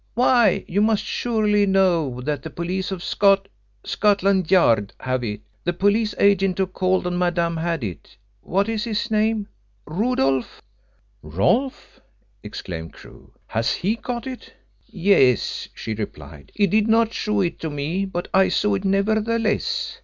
Why, you must surely know that the police of Scot Scotland Yard have it. The police agent who called on Madame had it. What is his name Rudolf?" "Rolfe?" exclaimed Crewe. "Has he got it?" "Yes," she replied. "He did not show it to me, but I saw it nevertheless.